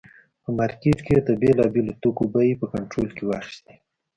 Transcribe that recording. په مارکېټ کې یې د بېلابېلو توکو بیې په کنټرول کې واخیستې.